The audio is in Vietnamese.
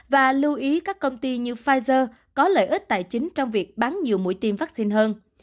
và lưu ý các công ty như pfizer có lợi ích tài chính trong việc bán nhiều mũi tiêm vaccine hơn